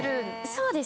そうですね。